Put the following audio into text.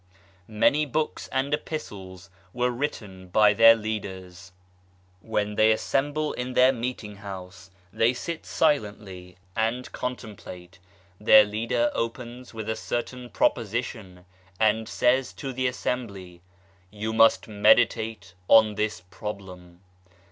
Many books and epistles were written by their leaders. When they assemble in their Meeting house they sit silently i62 ADDRESS BY ABDUL BAHA and contemplate ; their leader opens with a certain pro position, and says to the assembly " You must meditate on this problem."